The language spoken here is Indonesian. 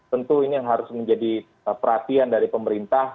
tentu ini yang harus menjadi perhatian dari pemerintah